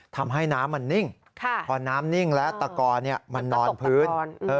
ทำให้น้ำมันนิ่งพอน้ำนิ่งแล้วตะกอมันนอนพื้น